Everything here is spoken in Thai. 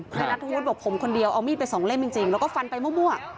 นัทธวุฒิบอกผมคนเดียวเอามีดไปสองเล่มจริงแล้วก็ฟันไปมั่ว